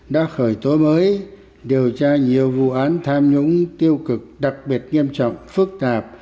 đã khởi tố mới điều tra nhiều vụ án tham nhũng tiêu cực đặc biệt nghiêm trọng phức tạp